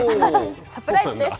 サプライズです！